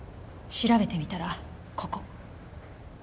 調べてみたらここ。